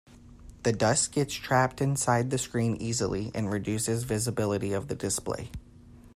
The dust gets trapped inside the screen easily and reduces visibility of the display.